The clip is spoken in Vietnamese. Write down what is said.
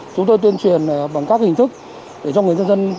chúng tôi tuyên truyền bằng các hình thức để cho người dân dân